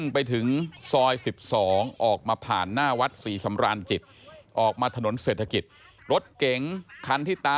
อย่าอย่าอย่าอย่าอย่าอย่าอย่าอย่าอย่าอย่าอย่าอย่าอย่าอย่า